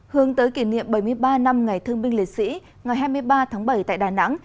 hướng tới kỷ niệm bảy mươi ba năm ngày thương binh liệt sĩ ngày hai mươi ba tháng bảy tại đà nẵng